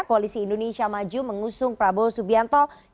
koalisi indonesia maju mengusung prabowo subianto